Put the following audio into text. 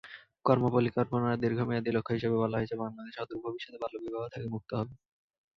কর্মপরিকল্পনার দীর্ঘমেয়াদি লক্ষ্য হিসেবে বলা হয়েছে, বাংলাদেশ অদূর ভবিষ্যতে বাল্যবিবাহ থেকে মুক্ত হবে।